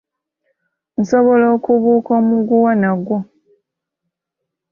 Nsobola okubuuka omuguwa nagwo.